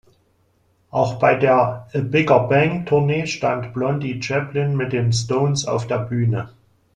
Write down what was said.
Auch bei der "A-Bigger-Bang"-Tournee stand Blondie Chaplin mit den Stones auf der Bühne.